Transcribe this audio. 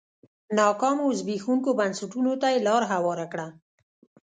ناکامو زبېښونکو بنسټونو ته یې لار هواره کړه.